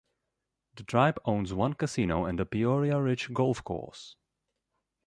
The tribe owns one casino and the Peoria Ridge Golf Course.